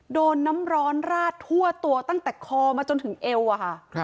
โดนน้ำร้อนราดทั่วตัวตั้งแต่คอมาจนถึงเอวอะค่ะ